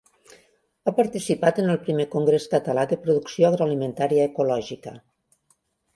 Ha participat en el Primer Congrés Català de Producció Agroalimentària Ecològica.